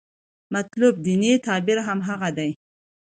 مطلوب دیني تعبیر هماغه دی.